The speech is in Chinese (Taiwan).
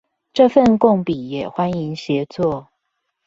這份共筆也歡迎協作